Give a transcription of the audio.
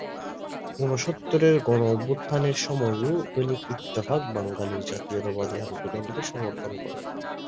ঊনসত্তরের গণঅভ্যুত্থানের সময়ও দৈনিক ইত্তেফাক বাঙালির জাতীয়তাবাদী আন্দোলনকে সমর্থন করে।